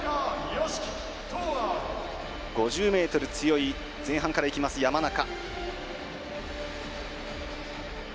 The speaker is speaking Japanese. ５０ｍ強い前半からいきます、山中。